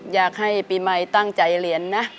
อยากให้ปีใหม่ตั้งใจเรียนนะ